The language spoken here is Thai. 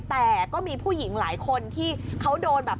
แต่ก็มีผู้หญิงหลายคนที่เขาโดนแบบ